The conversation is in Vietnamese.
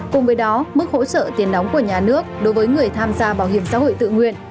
cùng với đó mức hỗ trợ tiền đóng của nhà nước đối với người tham gia bảo hiểm xã hội tự nguyện